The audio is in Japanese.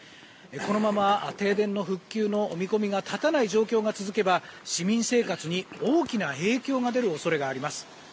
このまま停電の復旧の見込みが立たない状況が続けば市民生活に大きな影響が出る恐れがあります。